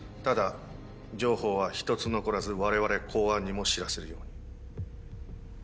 ただ情報は一つ残らず我々公安にも知らせるように。